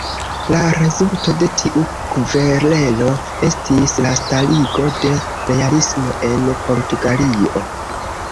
La rezulto de tiu kverelo estis la starigo de realismo en Portugalio.